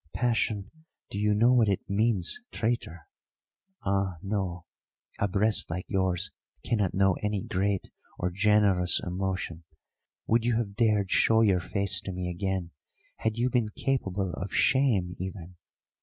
Passion do you know what it means, traitor? Ah, no; a breast like yours cannot know any great or generous emotion. Would you have dared show your face to me again had you been capable of shame even?